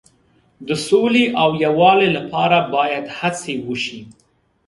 د سولې او یووالي لپاره باید هڅې وشي.